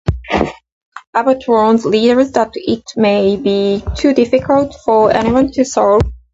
Abbott warns readers that it may be too difficult for anyone to solve.